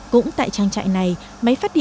cũng tại trang trại này